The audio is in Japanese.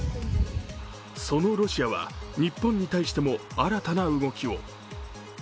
そのロシアは日本に対しても新たな動きを。